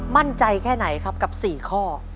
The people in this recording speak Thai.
มั่นใจแค่ไหนครับกับ๔ข้อ